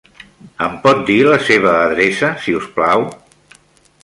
Em pot dir la seva adreça, si us plau?